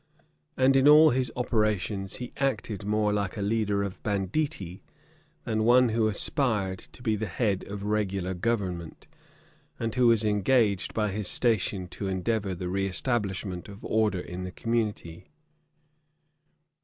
And in all his operations, he acted more like a leader of banditti, than one who aspired to be the head of a regular government, and who was engaged by his station to endeavor the reëstablishment of order in the community.